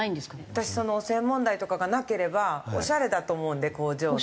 私その汚染問題とかがなければオシャレだと思うんで工場の。